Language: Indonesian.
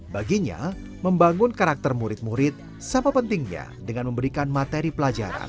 baginya membangun karakter murid murid sama pentingnya dengan memberikan materi pelajaran